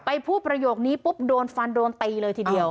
พูดประโยคนี้ปุ๊บโดนฟันโดนตีเลยทีเดียว